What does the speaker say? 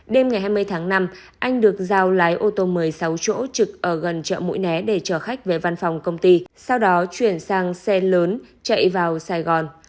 đêm ngày hai mươi tháng năm anh được giao lái ô tô một mươi sáu chỗ trực ở gần chợ mũi né để chở khách về văn phòng công ty sau đó chuyển sang xe lớn chạy vào sài gòn